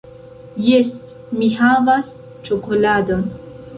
Jes, mi havas ĉokoladon